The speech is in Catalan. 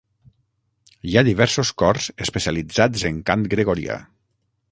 Hi ha diversos cors especialitzats en cant gregorià.